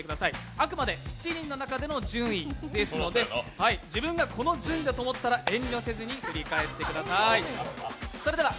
あくまで７人の中での順位ですので自分がこの順位だと思ったら遠慮せずに振り返ってください。